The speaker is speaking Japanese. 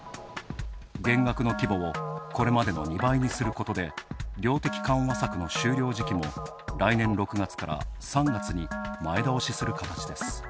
減額の規模をこれまでの２倍にすることで、量的緩和策の終了時期も来年６月から３月に前倒しする形です。